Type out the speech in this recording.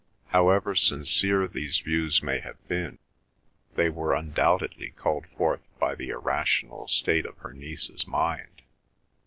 However sincere these views may have been, they were undoubtedly called forth by the irrational state of her niece's mind.